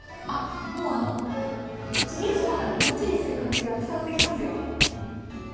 あっもうあのちぎるそばからもっちりしてる感じが伝わってきますよ。